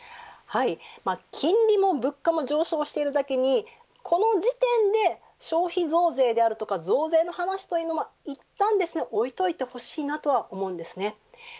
金利も物価も上昇しているだけにこの時点で消費増税であるとか増税の話は、いったん置いておいてほしいと思います。